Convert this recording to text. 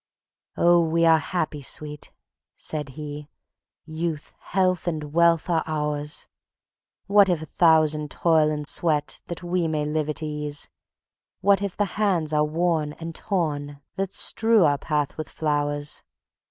"Oh, we are happy, sweet," said he; "youth, health, and wealth are ours. What if a thousand toil and sweat that we may live at ease! What if the hands are worn and torn that strew our path with flowers!